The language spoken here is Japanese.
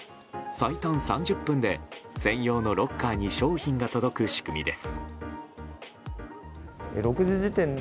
最短３０分で専用のロッカーに商品が届く仕組みです。